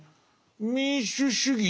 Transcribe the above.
民主主義